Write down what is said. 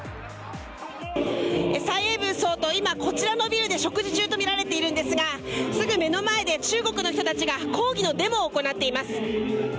蔡英文総統、今こちらのビルで食事中とみられているんですがすぐ目の前で中国の人たちが抗議のデモを行っています。